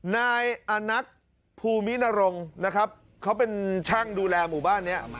นายอานักภูมินรงค์นะครับเขาเป็นช่างดูแลหมู่บ้านนี้